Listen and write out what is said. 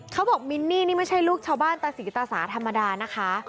เขาบอกมินนี่นี่ไม่ใช่ลูกชาวบ้านแต่ศีรษะศาสตร์ธรรมดานะคะ